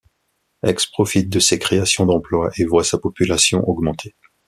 Aix profite de ces créations d'emploi et voit sa population augmenter.